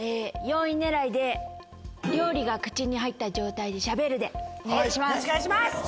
４位狙いで料理が口に入った状態でしゃべるでお願いします。